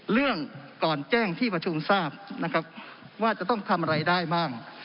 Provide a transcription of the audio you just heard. เรื่องก่อนแจ้งที่ประชุมทราบนะครับว่าจะต้องทำอะไรได้บ้าง